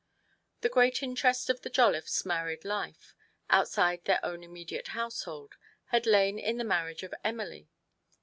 The great interest of the Jolliffes' married life, outside their own immediate household, had lain in the marriage of Emily.